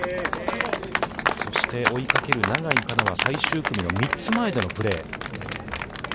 そして、追いかける永井花奈は最終組の３つ前でのプレー。